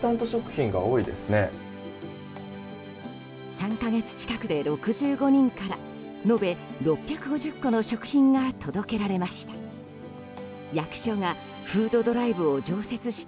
３か月近くで６５人から延べ６５０個の食品が届けられました。